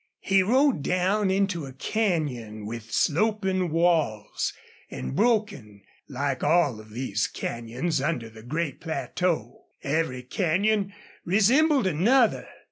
He rode down into a canyon with sloping walls, and broken, like all of these canyons under the great plateau. Every canyon resembled another.